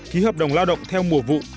ký hợp đồng lao động theo mùa vụ